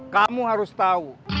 kamu harus tahu